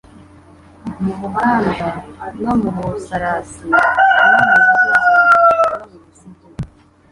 mu Buganza no mu Busarasi no mu Buliza no mu Busigi.